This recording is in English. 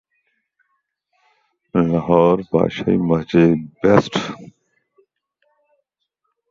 He has also worked on Todd McFarlane's "Spawn" titles.